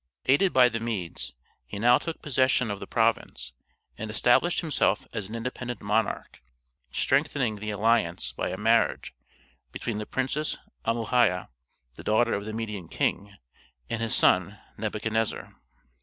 Aided by the Medes, he now took possession of the province and established himself as an independent monarch, strengthening the alliance by a marriage between the Princess Amuhia, the daughter of the Median king, and his son Nebuchadnezzar.